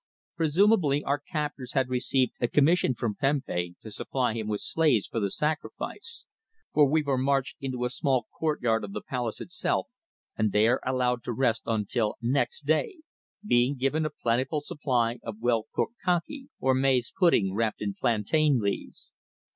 Presumably our captors had received a commission from Prempeh to supply him with slaves for the sacrifice, for we were marched into a small courtyard of the palace itself and there allowed to rest until next day, being given a plentiful supply of well cooked cankie, or maize pudding wrapped in plantain leaves.